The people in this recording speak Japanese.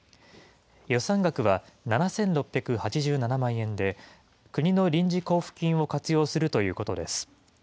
予算額は７６８７万円で、国の臨時交付金を活用するということです。